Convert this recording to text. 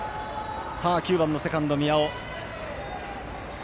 ９番のセカンド、宮尾。